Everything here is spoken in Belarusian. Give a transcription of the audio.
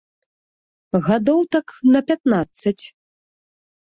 Гадоў так на пятнаццаць.